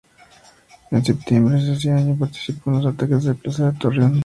En septiembre de ese año participó en los ataques a la plaza de Torreón.